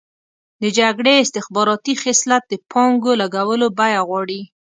د جګړې استخباراتي خصلت د پانګو لګولو بیه غواړي.